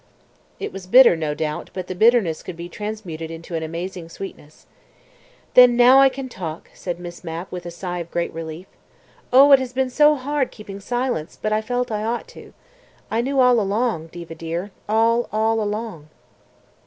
It was bitter, no doubt, but the bitterness could be transmuted into an amazing sweetness. "Then now I can speak," said Miss Mapp with a sigh of great relief. "Oh, it has been so hard keeping silence, but I felt I ought to. I knew all along, Diva dear, all, all along."